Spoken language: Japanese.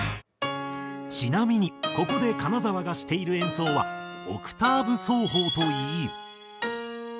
ちなみにここで金澤がしている演奏はオクターブ奏法といい。